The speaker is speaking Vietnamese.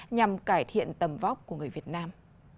nhằm cải thiện tầm vóc của người việt nam